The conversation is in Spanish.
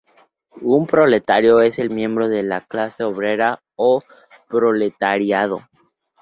Un proletario es el miembro de la clase obrera o proletariado.